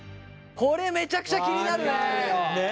これめちゃくちゃ気になるね。